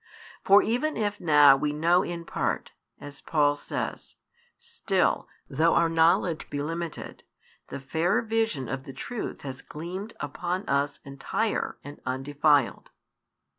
For even if now we know in part, as Paul says, still, though our knowledge be limited, the fair vision of the truth has gleamed upon us entire and undefiled.